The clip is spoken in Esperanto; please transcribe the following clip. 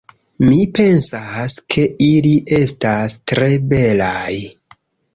Mi pensas, ke ili estas tre belaj